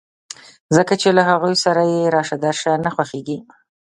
ځکه چې له هغوی سره يې راشه درشه نه خوښېږي.